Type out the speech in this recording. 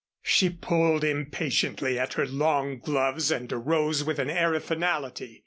She pulled impatiently at her long gloves and arose with an air of finality.